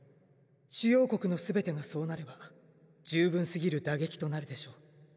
主要国のすべてがそうなれば十分すぎる打撃となるでしょう。